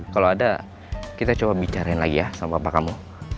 kalau ada kita coba bicarain lagi ya sama apa kamu